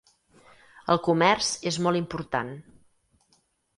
El comerç és molt important.